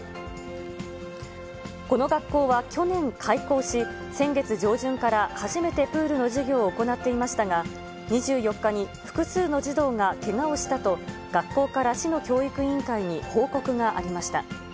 この学校は去年開校し、先月上旬から初めてプールの授業を行っていましたが、２４日に複数の児童がけがをしたと、学校から市の教育委員会に報告がありました。